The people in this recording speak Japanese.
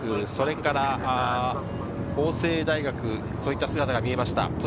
創価大学、法政大学、そういった姿が見えました。